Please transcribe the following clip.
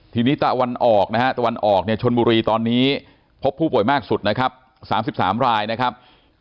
ทีนี้ตะวันออกนะฮะตะวันออกเนี่ยชนบุรีตอนนี้พบผู้ป่วยมากสุดนะครับ๓๓รายนะครับ